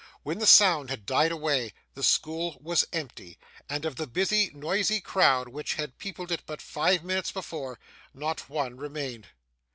When the sound had died away, the school was empty; and of the busy noisy crowd which had peopled it but five minutes before, not one remained.